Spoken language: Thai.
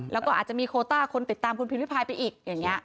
แล้วก็อาจจะมีโคต้าคนติดตามคุณพิมพิพายไปอีกอย่างนี้